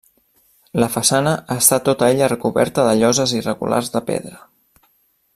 La façana està tota ella recoberta de lloses irregulars de pedra.